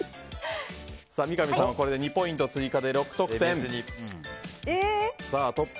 三上さんはこれで２ポイント追加で６得点。